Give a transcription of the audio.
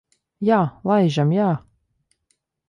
Jā, laižam. Jā.